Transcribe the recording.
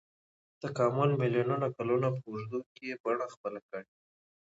تکامل میلیونونو کلونو په اوږدو کې یې بڼه خپله کړې.